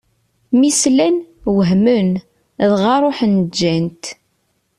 Mi slan, wehmen, dɣa ṛuḥen ǧǧan-t.